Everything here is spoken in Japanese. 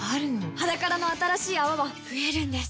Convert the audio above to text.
「ｈａｄａｋａｒａ」の新しい泡は増えるんです